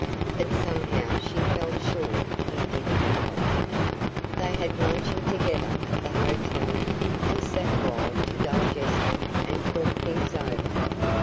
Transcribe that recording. But somehow she felt sure he did think of it. They had luncheon together at the hotel, and sat awhile to digest it and to talk things over.